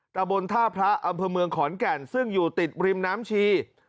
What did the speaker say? ตะบนท่าพระอำเภอเมืองขอนแก่นซึ่งอยู่ติดริมน้ำชี